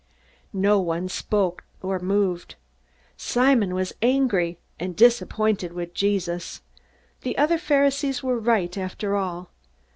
No one spoke or moved. Simon was angry and disappointed with Jesus. The other Pharisees were right after all!